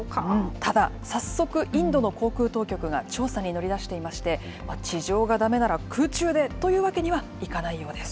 ただ、早速、インドの航空当局が調査に乗り出していまして、地上がだめなら空中でというわけにはいかないようです。